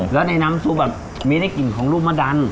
แล้วในน้ำซุปมีได้กลิ่นของลูกมะดัน